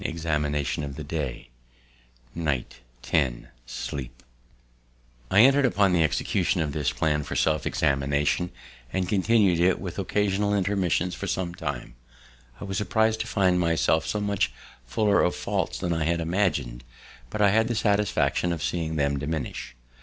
{ 1} { 2} { 3} { 4} I enter'd upon the execution of this plan for self examination, and continu'd it with occasional intermissions for some time. I was surpris'd to find myself so much fuller of faults than I had imagined; but I had the satisfaction of seeing them diminish.